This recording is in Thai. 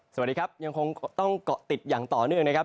สวัสดีครับยังคงต้องเกาะติดอย่างต่อเนื่องนะครับ